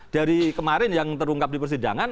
dari kemarin yang terungkap di persidangan